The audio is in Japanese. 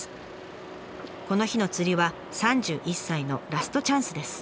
この日の釣りは３１歳のラストチャンスです。